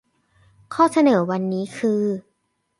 ข้อเสนอวันนี้คือ